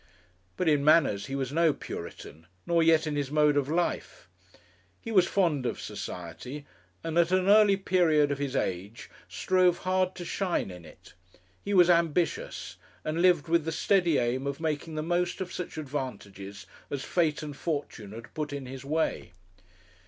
But in manners he was no Puritan; nor yet in his mode of life. He was fond of society, and at an early period of his age strove hard to shine in it. He was ambitious; and lived with the steady aim of making the most of such advantages as fate and fortune had put in his way.